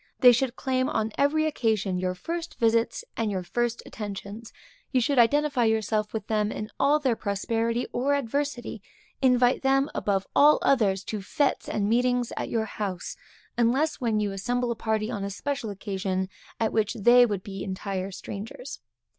They should claim on every occasion your first visits and your first attentions; you should identify yourself with them in all their prosperity or adversity; invite them above all others to fêtes and meetings at your house, unless when you assemble a party on a special occasion, at which they would be entire strangers.